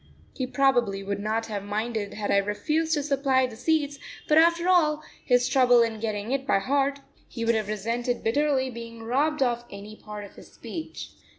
He probably would not have minded had I refused to supply the seats, but after all his trouble in getting it by heart he would have resented bitterly being robbed of any part of his speech.